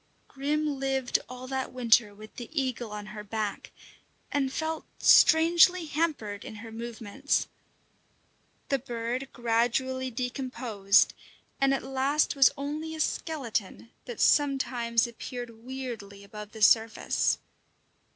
Grim lived all that winter with the eagle on her back, and felt strangely hampered in her movements. The bird gradually decomposed, and at last was only a skeleton that sometimes appeared weirdly above the surface.